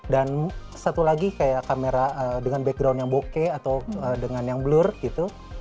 dan satu lagi kayak kamera dengan background yang bokeh atau dengan yang blur gitu